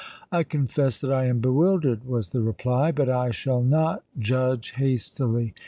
"I confess that I am bewildered," was the reply. "But I shall not judge hastily.